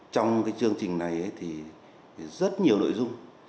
trong cái chương trình này thì rất nhiều nội dung